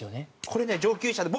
これね上級者で。